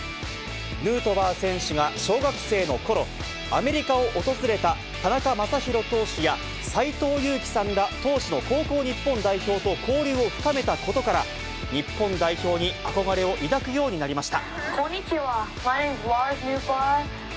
ヌートバー選手が小学生のころ、アメリカを訪れた田中将大投手や、斎藤佑樹さんら当時の高校日本代表と交流を深めたことから、日本代表に憧れを抱くようになりました。